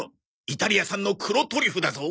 イタリア産の黒トリュフだぞ！